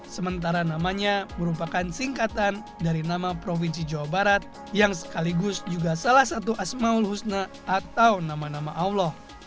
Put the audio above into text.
sementara namanya merupakan singkatan dari nama provinsi jawa barat yang sekaligus juga salah satu asmaul husna atau nama nama allah